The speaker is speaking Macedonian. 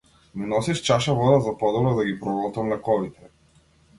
Ми носиш чаша вода за подобро да ги проголтам лековите.